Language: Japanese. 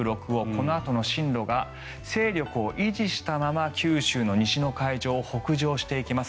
このあとの進路が勢力を維持したまま九州の西の海上を北上していきます。